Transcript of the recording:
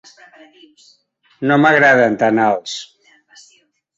No m'agraden tan alts.